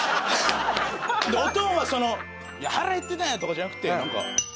でオトンはその「いや腹減ってたんや！」とかじゃなくて。